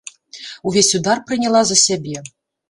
Увесь удар прыняла за сябе.